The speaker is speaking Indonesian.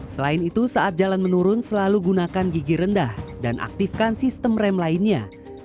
selain itu saat jalan menurun selalu gunakan gigi rendah dan aktifkan sistem rem lainnya